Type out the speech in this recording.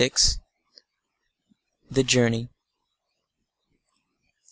The Journey.